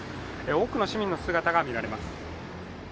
多くの市民の姿が見られます。